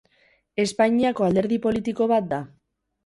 Espainiako alderdi politiko bat da.